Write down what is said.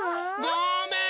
ごめん！